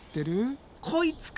こいつか！